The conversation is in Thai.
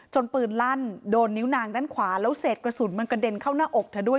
ปืนลั่นโดนนิ้วนางด้านขวาแล้วเศษกระสุนมันกระเด็นเข้าหน้าอกเธอด้วย